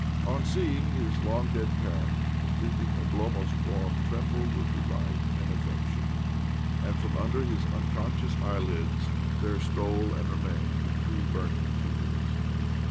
On seeing his long dead parent, the sleeping Oblomov's form trem bled with delight and affection, and from under his unconscious eyelids there stole and remained two burning tears.